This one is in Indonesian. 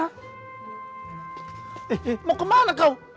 eh eh mau kemana kau